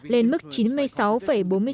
lên mức chín mươi triệu thùng một ngày